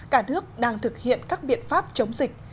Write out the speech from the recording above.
cả nước đang thực hiện các biện pháp chống dịch